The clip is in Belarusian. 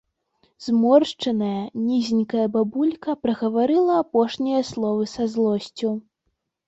Зморшчаная, нізенькая бабулька прагаварыла апошнія словы са злосцю.